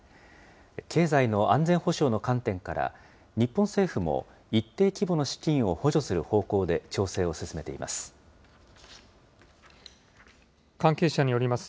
経済の安全保障の観点から日本政府も、一定規模の資金を補助する方向で調整を進めています。